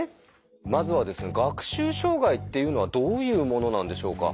まずはですね学習障害っていうのはどういうものなんでしょうか？